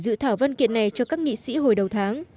dự thảo văn kiện này cho các nghị sĩ hồi đầu tháng